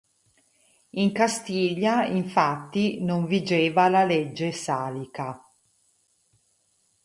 In Castiglia infatti non vigeva la legge salica.